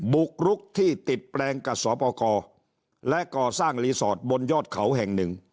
บุกรุกที่ติดแปลงกับสปกรและก่อสร้างรีสอร์ทบนยอดเขาแห่งหนึ่ง